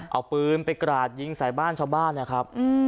เอาปืนไปกราดยิงใส่บ้านชาวบ้านนะครับ